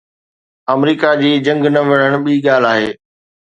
آمريڪا جي جنگ نه وڙهڻ ٻي ڳالهه آهي.